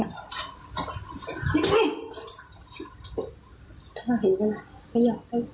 ไม่ยอมเลย